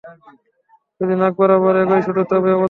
যদি নাক বরাবর এগোই শুধু তবেই অবতরণ করতে পারব।